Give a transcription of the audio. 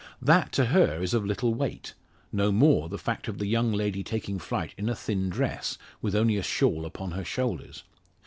That to her is of little weight; no more the fact of the young lady taking flight in a thin dress, with only a shawl upon her shoulders.